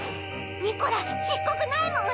ニコラちっこくないもん！